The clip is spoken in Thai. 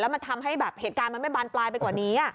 มันทำให้แบบเหตุการณ์มันไม่บานปลายไปกว่านี้